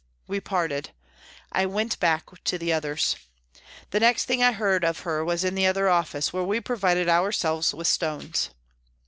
We parted. I went back to the others. The next thing I heard of her was in the other office, where we provided ourselves with stones.